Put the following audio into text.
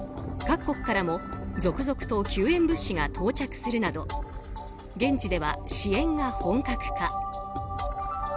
各国からも続々と救援物資が到着するなど現地では支援が本格化。